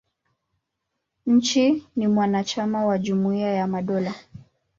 Nchi ni mwanachama wa Jumuia ya Madola.